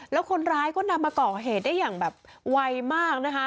แล้วคนร้ายก็นำมาก่อเหตุได้อย่างแบบไวมากนะคะ